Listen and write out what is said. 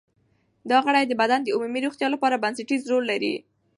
دا غړي د بدن د عمومي روغتیا لپاره بنسټیز رول لري.